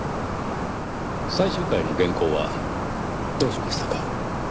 最終回の原稿はどうしましたか？